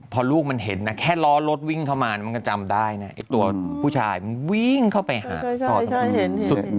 พอลูกมันเห็นนะแค่ล้อรถวิ่งเข้ามามันก็จำได้นะไอ้ตัวผู้ชายมันวิ่งเข้าไปหาต่อตรงนู้น